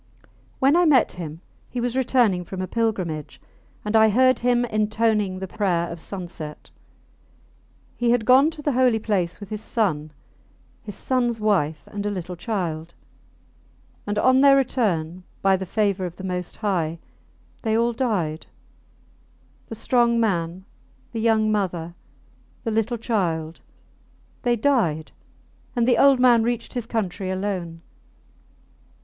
When I met him he was returning from a pilgrimage, and I heard him intoning the prayer of sunset. He had gone to the holy place with his son, his sons wife, and a little child; and on their return, by the favour of the Most High, they all died: the strong man, the young mother, the little child they died; and the old man reached his country alone.